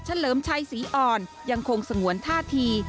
เลิมชัยศรีอ่อนยังคงสงวนท่าที